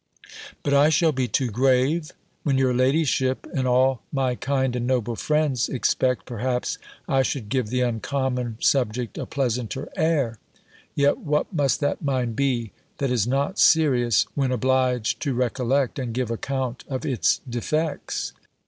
But I shall be too grave, when your ladyship, and all my kind and noble friends, expect, perhaps, I should give the uncommon subject a pleasanter air: yet what must that mind be, that is not serious, when obliged to recollect, and give account of its defects?